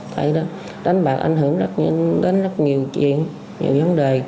tại đó đánh bạc ảnh hưởng đến rất nhiều chuyện nhiều vấn đề